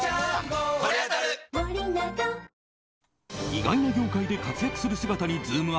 意外な業界で活躍する姿にズームＵＰ！